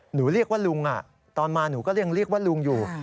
หนูเรียกว่าลุงตอนมาหนูก็ยังเรียกว่าลุงอยู่